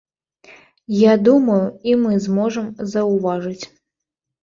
Я думаю, і мы зможам заўважыць.